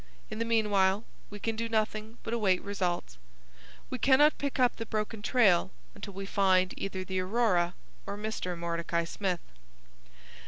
In the meanwhile, we can do nothing but await results. We cannot pick up the broken trail until we find either the Aurora or Mr. Mordecai Smith."